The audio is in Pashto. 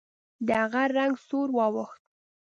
د هغه رنګ سور واوښت.